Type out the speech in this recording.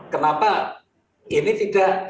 kenapa ini tidak